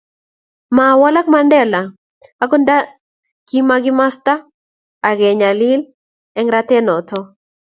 mawalaka Mandela akot nta kikimasta ake nyalil eng' rate noto